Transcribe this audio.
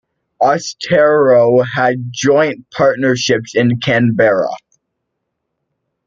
Austereo had joint partnerships in Canberra.